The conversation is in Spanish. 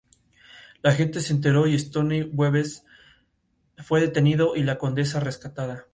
La gente se enteró, y Stoney Bowes fue detenido y la condesa, rescatada.